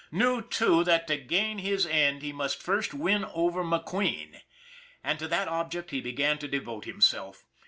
Knew, too, that to gain his end he must first win over McQueen. And to that object he began to devote himself.